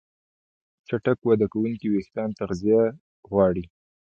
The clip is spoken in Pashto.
چټک وده کوونکي وېښتيان تغذیه غواړي.